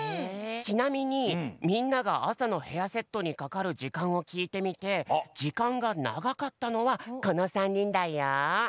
ちなみにみんながあさのヘアセットにかかるじかんをきいてみてじかんがながかったのはこの３にんだよ。